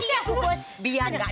biar gak deket sama anak